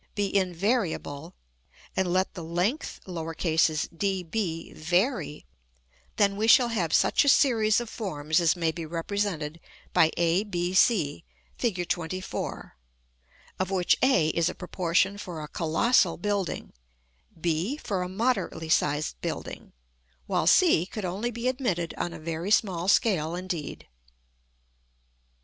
be invariable, and let the length d b vary: then we shall have such a series of forms as may be represented by a, b, c, Fig. XXIV., of which a is a proportion for a colossal building, b for a moderately sized building, while c could only be admitted on a very small scale indeed.